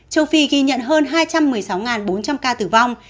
châu phi ghi nhận hơn hai trăm một mươi sáu bốn trăm linh ca tử vong